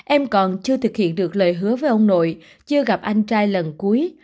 em còn chưa thực hiện được lời hứa với ông nội chưa gặp anh trai lần cuối